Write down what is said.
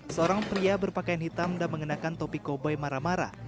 seorang pria berpakaian hitam dan mengenakan topi kobai marah marah